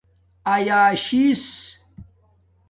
ایاشیس